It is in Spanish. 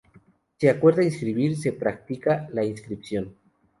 Si acuerda inscribir, se practica la inscripción.